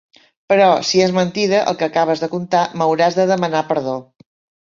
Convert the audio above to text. Però, si és mentida el que acabes de contar, m’hauràs de demanar perdó.